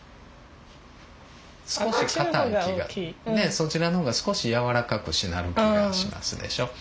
そちらの方が少しやわらかくしなる気がしますでしょう。